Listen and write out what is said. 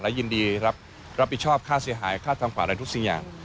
ยินดีรับผิดชอบค่าเสียหายค่าทำขวัญอะไรทุกสิ่งอย่าง